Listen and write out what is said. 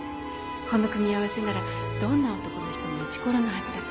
この組み合わせならどんな男の人もイチコロのはずだから